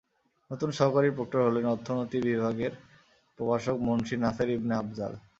নতুন সহকারী প্রক্টর হলেন অর্থনীতি বিভাগের প্রভাষক মুন্সী নাসের ইবনে আফজাল।